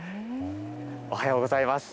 おはようございます。